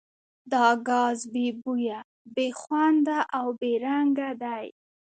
دا ګاز بې بویه، بې خونده او بې رنګه دی.